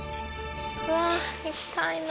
うわ行きたいな。